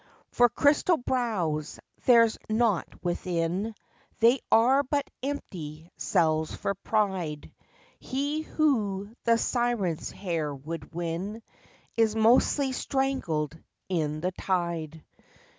For crystal brows there's nought within, They are but empty cells for pride; He who the Siren's hair would win Is mostly strangled in the tide.